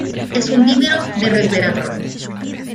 Es un dímero de resveratrol.